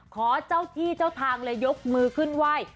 ขอเจ้าที่เจ้าทางเลยยกมือขึ้นไหว้